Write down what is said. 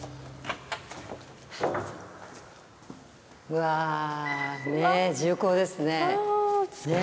うわ重厚ですね。